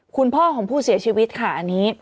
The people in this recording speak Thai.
คุณพ่อของผู้เสียชีวิตค่ะอันนี้